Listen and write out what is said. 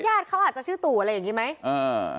ญาติเขาอาจจะชื่อตู่อะไรอย่างนี้ไหมอ่า